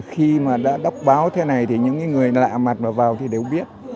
tức là khi mà đã đọc báo thế này thì những người lạ mặt vào thì đều biết